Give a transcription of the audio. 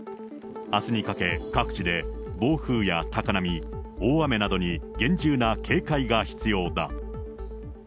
あすにかけ、各地で暴風や高波、大雨などに厳重な警戒が必要だ。